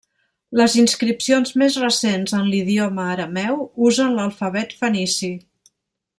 Les inscripcions més recents en l'idioma arameu usen l'alfabet fenici.